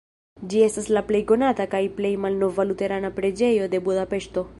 Ĝi estas la plej konata kaj plej malnova luterana preĝejo de Budapeŝto.